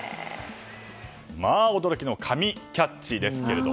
まあ、驚きの神キャッチですが。